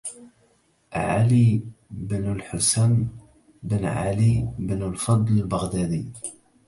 علي بن الحسن بن علي بن الفضل البغدادي